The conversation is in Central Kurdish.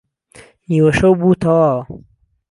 نیوه شەو بوو تهواوە